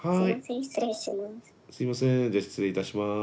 すいませんじゃあ失礼いたします。